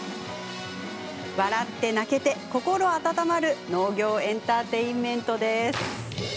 笑って泣けて心温まる農業エンターテインメントです。